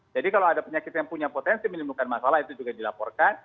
jadi kalau ada penyakit yang punya potensi menimbulkan masalah itu juga dilaporkan